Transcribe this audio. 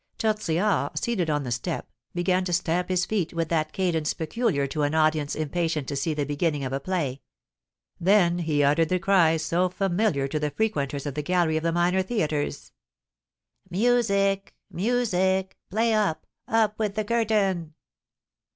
Tortillard, seated on the step, began to stamp his feet with that cadence peculiar to an audience impatient to see the beginning of a play; then he uttered the cry so familiar to the frequenters of the gallery of the minor theatres: "Music! Music! Play up! Up with the curtain!"